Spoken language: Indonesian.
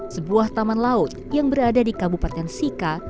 sebuah taman laut yang berada di kabupaten sika